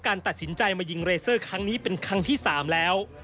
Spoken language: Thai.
ตัดสินใจมายิงเรเซอร์ครั้งนี้เป็นครั้งที่๓แล้ว